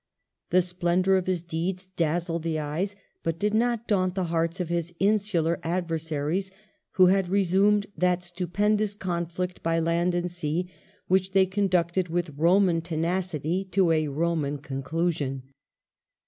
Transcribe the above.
The splendour of his deeds dazzled the eyes but did not daunt the hearts of his insular adversaries, who had resumed that stupendous conflict by land and sea, which they conducted with Roman tenacity to a Roman conclusion.